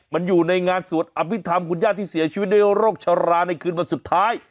มันอยู่ในงานสวดอภิษฐรรมคุณญาติที่เสียชีวิตด้วยโรคชะลาในคืนวันสุดท้าย